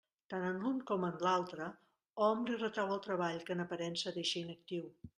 Tant en l'un com en l'altre, hom li retrau el treball que en aparença deixa inactiu.